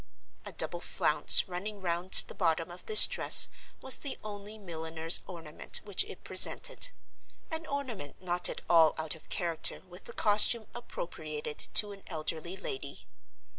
A double flounce running round the bottom of this dress was the only milliner's ornament which it presented—an ornament not at all out of character with the costume appropriated to an elderly lady.